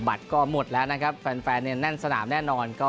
บัตรก็หมดแล้วแฟนในนั้นสนามแน่นอน